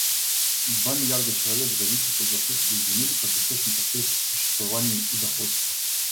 Два миллиарда человек зависят от засушливых земель как источника средств к существованию и доходов.